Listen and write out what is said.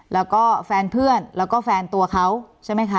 แล้วก็แฟนเพื่อนแล้วก็แฟนตัวเขาใช่ไหมคะ